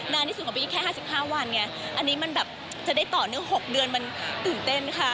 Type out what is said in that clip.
นานที่สุดของพี่กิ๊กแค่๕๕วันอันนี้มันแบบจะได้ต่อ๖เดือนตื่นเต้นค่ะ